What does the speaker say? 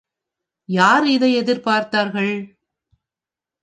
யார் இதை எதிர்பார்த்தார்கள்?